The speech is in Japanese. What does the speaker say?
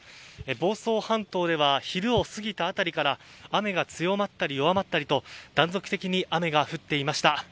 房総半島では昼を過ぎた辺りから雨が強まったり弱まったりと断続的に雨が降っていました。